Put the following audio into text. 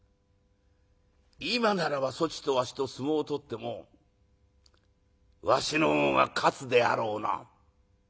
今ならばそちとわしと相撲を取ってもわしの方が勝つであろうな」。